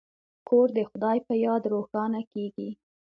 کور د خدای په یاد روښانه کیږي.